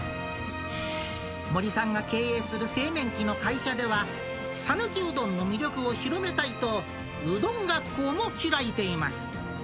森さんが経営する製麺機の会社では讃岐うどんの魅力を広めたいと、うどん学校も開かれています。